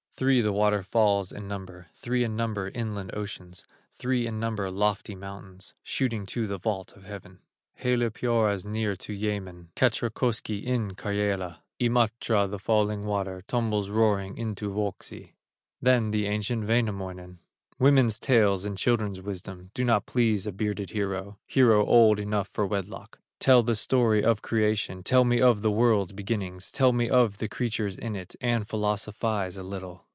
Three, the water falls in number, Three in number, inland oceans, Three in number, lofty mountains, Shooting to the vault of heaven. Hallapyora's near to Yaemen, Katrakoski in Karyala; Imatra, the falling water, Tumbles, roaring, into Wuoksi." Then the ancient Wainamoinen: "Women's tales and children's wisdom Do not please a bearded hero, Hero, old enough for wedlock; Tell the story of creation, Tell me of the world's beginning, Tell me of the creatures in it, And philosophize a little."